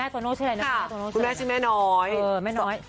คุณแม่ชื่อแม่น้อย